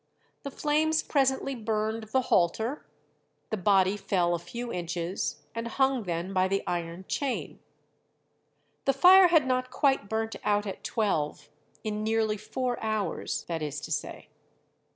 The flames presently burned the halter, the body fell a few inches, and hung then by the iron chain. The fire had not quite burnt out at twelve, in nearly four hours, that is to say.